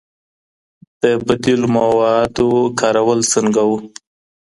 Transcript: د بديلو موادو کارول څنګه وو؟